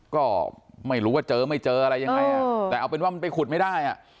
ก็ไม่รู้ว่าเจอไม่เจออะไรยังไงแต่เอาเป็นว่ามันไปขุดไม่ได้อ่ะ